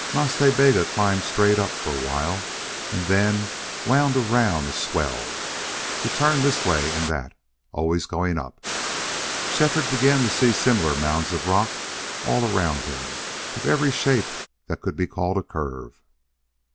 Nas Ta Bega climbed straight up for a while, and then wound around a swell, to turn this way and that, always going up. Shefford began to see similar mounds of rock all around him, of every shape that could be called a curve.